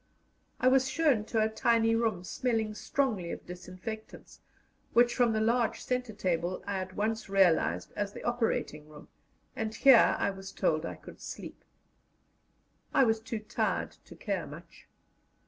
I was shown into a tiny room, smelling strongly of disinfectants, which from the large centre table I at once recognized as the operating room, and here I was told I could sleep. I was too tired to care much.